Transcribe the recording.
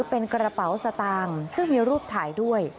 เป็นกระเป๋าสตางค์ซึ่งมีรูปถ่ายด้วย